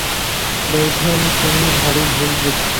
বউঠান, তুমি ভারি ভুল বুঝছ।